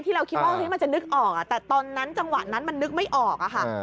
เราคิดว่ามันจะนึกออกแต่ตอนนั้นจังหวะนั้นมันนึกไม่ออกอะค่ะ